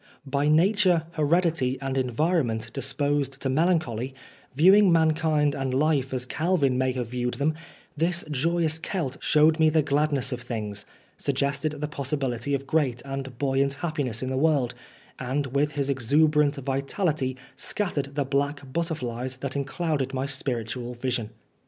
By nature, heredity, and en vironment, disposed to melancholy, viewing mankind and life as Calvin may have viewed them, this joyous Celt showed me the glad ness of things, suggested the possibility of great and buoyant happiness in the world, and with his exuberant vitality scattered the black butterflies that enclouded my spiritual vision.